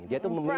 dia itu memilih